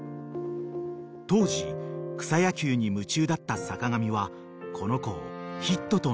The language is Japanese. ［当時草野球に夢中だった坂上はこの子をヒットと名付けました］